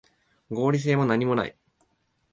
合理性もなにもない